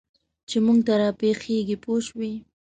چې موږ ته را پېښېږي پوه شوې!.